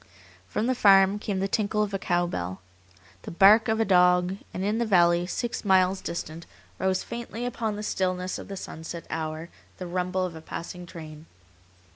From the farm came the tinkle of a cow bell, the bark of a dog, and in the valley, six miles distant, rose faintly upon the stillness of the sunset hour the rumble of a passing train.